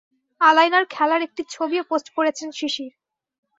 আলায়নার খেলার একটি ছবিও পোস্ট করেছেন শিশির।